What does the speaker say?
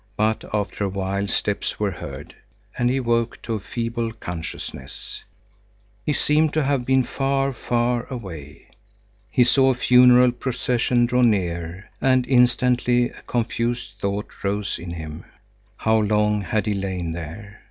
But after a while steps were heard, and he woke to a feeble consciousness. He seemed to have been far, far away. He saw a funeral procession draw near, and instantly a confused thought rose in him. How long had he lain there?